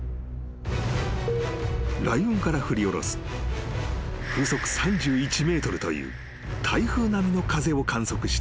［雷雲から振り下ろす風速３１メートルという台風並みの風を観測した］